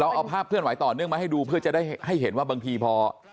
เอาภาพเคลื่อนไหวต่อเนื่องมาให้ดูเพื่อจะได้ให้เห็นว่าบางทีพอ